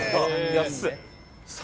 安い。